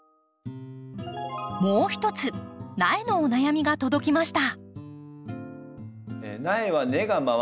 もう一つ苗のお悩みが届きました。